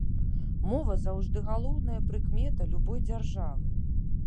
Мова заўжды галоўная прыкмета любой дзяржавы.